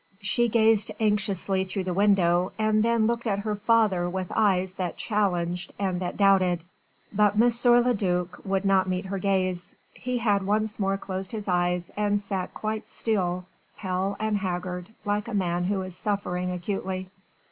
She gazed anxiously through the window, and then looked at her father with eyes that challenged and that doubted. But M. le duc would not meet her gaze. He had once more closed his eyes and sat quite still, pale and haggard, like a man who is suffering acutely.